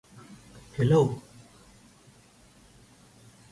Carter and Hood departed, with Ben Savigear taking over on drums.